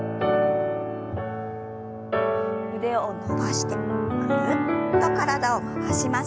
腕を伸ばしてぐるっと体を回します。